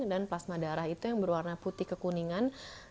dan plasma darah itu yang berwarna putih kekuningan